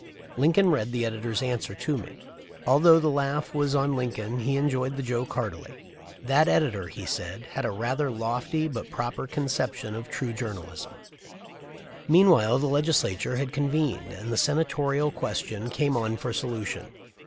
Lincoln read the editor's answer to me. Although the laugh was on Lincoln he enjoyed the joke heartily. "That editor," he said, "has a rather lofty but proper conception of true journalism." * Jacob Harding. May 25. 1855, MS. THE LIFE OF LINCOLN. 377 mwhile the Legislature had convened and the Senatorial question came on for solution.